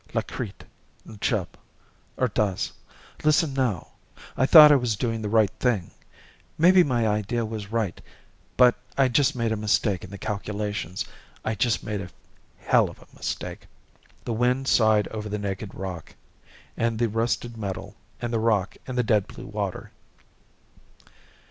"Lakrit, Lljub, Urdaz, listen now I thought I was doing the right thing maybe my idea was right but I just made a mistake in the calculations. I just made a helluva mistake " The wind sighed over the naked rock and the rusted metal and the rock and the dead blue water.